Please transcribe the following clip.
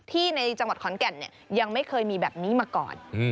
ในจังหวัดขอนแก่นยังไม่เคยมีแบบนี้มาก่อน